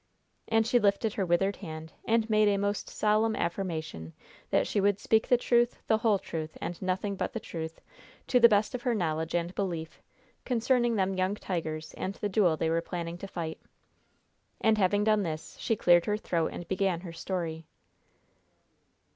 And she lifted her withered hand and made a most solemn affirmation that she would speak the truth, the whole truth, and nothing but the truth, to the best of her knowledge and belief, concerning them young tigers and the duel they were planning to fight. And, having done this, she cleared her throat and began her story.